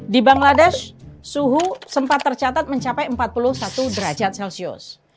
di bangladesh suhu sempat tercatat mencapai empat puluh satu derajat celcius